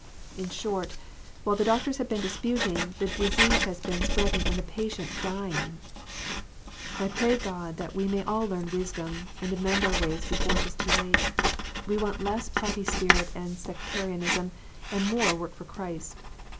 In short, while the doctors have been disputing, the disease has been spreading and the patient dying. I pray God that we may all learn wisdom, and amend our ways before it be too late. We want less party spirit and sec tarianism, and more work for Christ.